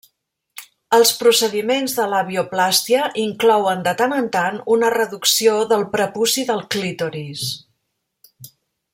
Els procediments de labioplàstia inclouen de tant en tant una reducció del prepuci del clítoris.